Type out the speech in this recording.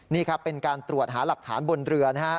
นี่ครับเป็นการตรวจหาหลักฐานบนเรือนะฮะ